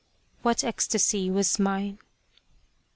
What ecstasy was mine !